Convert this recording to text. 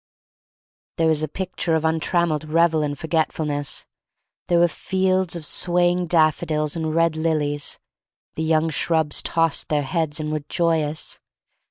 There was a picture of untrammeled revel and forgetfulness. There were fields of swaying daffodils and red lilies. The young shrubs tossed their heads and were joyous.